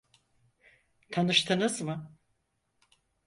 Tanıştınız mı?